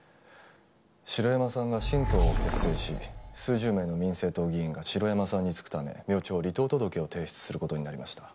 城山さんが新党を結成し数十名の民政党議員が城山さんにつくため明朝離党届を提出する事になりました。